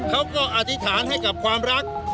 เขาก็อาธิษฐานให้กับความรัก